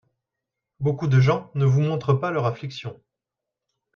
Beaucoup de gens ne vous montrent pas leur affliction.